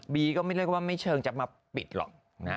บีก็ไม่ได้ว่าไม่เชิงจะมาปิดหรอก